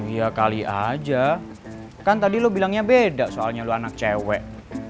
ya kali aja kan tadi lo bilangnya beda soalnya lo anak cewek